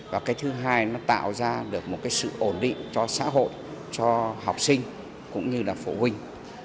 và cái thứ hai nó tạo ra được một cái sự ổn định cho xã hội cho học sinh cũng như là phổ huynh